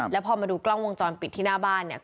แล้วพอมาดูกล้องวงจรปิดที่หน้าบ้านเนี่ย